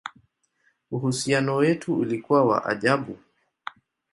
Uhusiano wetu ulikuwa wa ajabu!